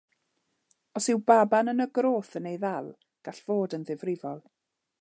Os yw baban yn y groth yn ei ddal, gall fod yn ddifrifol.